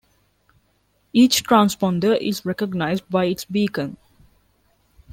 Each transponder is recognized by its beacon.